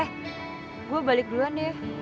eh gue balik duluan nih